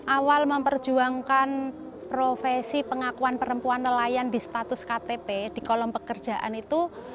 awal memperjuangkan profesi pengakuan perempuan nelayan di status ktp di kolom pekerjaan itu